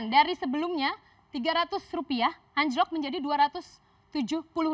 dari sebelumnya tiga ratus rupiah anjlok menjadi dua ratus rupiah